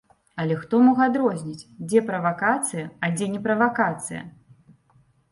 Але хто мог адрозніць, дзе правакацыя, а дзе не правакацыя?!